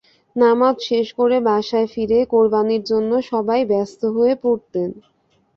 নামাজ শেষ করে বাসায় ফিরে কোরবানির জন্য সবাই ব্যস্ত হয়ে পড়তেন।